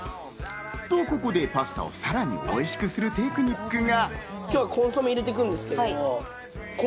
と、ここでパスタをさらに美味しくするテクニックが。